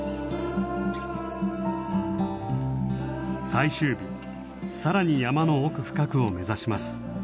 最終日更に山の奥深くを目指します。